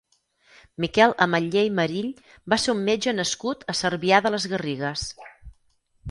Miquel Ametller i Marill va ser un metge nascut a Cervià de les Garrigues.